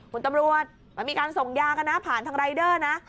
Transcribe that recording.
คุณตำรวจมันมีการส่งยากันนะผ่านทางรายเดอร์นะ